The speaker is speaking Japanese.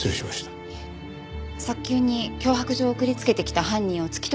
早急に脅迫状を送りつけてきた犯人を突き止めて頂きたいんです。